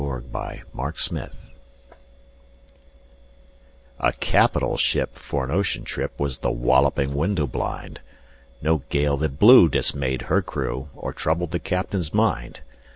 Y Z A Nautical Ballad A CAPITAL ship for an ocean trip Was The Walloping Window blind No gale that blew dismayed her crew Or troubled the captain's mind.